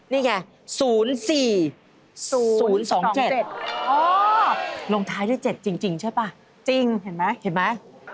นี่ไง๐๔๐๒๗๗ลงท้ายด้วย๗จริงใช่ป่ะจริงเห็นไหมเห็นไหม